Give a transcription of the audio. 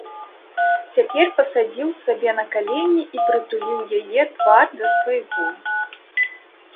Цяпер пасадзіў сабе на калені і прытуліў яе твар да свайго.